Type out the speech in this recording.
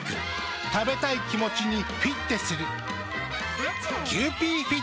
食べたい気持ちにフィッテする。